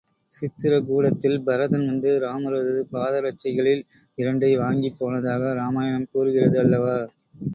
சித்ரகூடத்தில் பரதன் வந்து ராமரது பாதரட்சைகளில் இரண்டை வாங்கிப் போனதாக ராமாயணம் கூறுகிறது அல்லவா?